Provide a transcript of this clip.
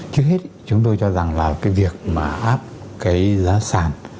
trước hết chúng tôi cho rằng là cái việc mà áp cái giá sản